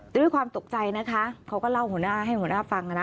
ด้วยความตกใจนะคะเขาก็เล่าหัวหน้าให้หัวหน้าฟังนะ